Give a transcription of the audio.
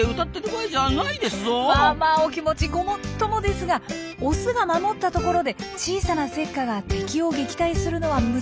まあまあお気持ちごもっともですがオスが守ったところで小さなセッカが敵を撃退するのは難しいんです。